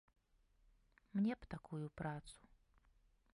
Мне б такую працу.